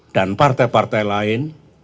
dan partai partai lain